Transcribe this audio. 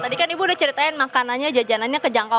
tadi kan ibu udah ceritain makanannya jajanannya kejangkau